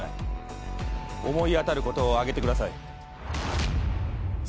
思い当たることを挙げてください。